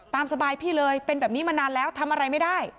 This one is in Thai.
ตามสบายพี่เลยเป็นแบบนี้มานานแล้วทำอะไรไม่ได้